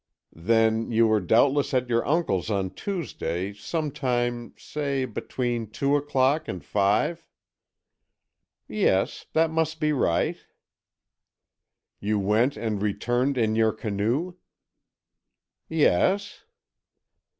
"Then, you were doubtless at your uncle's on Tuesday, sometime, say, between two o'clock and five." "Yes, that must be right." "You went and returned in your canoe?" "Yes."